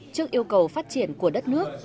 trước yêu cầu phát triển của đất nước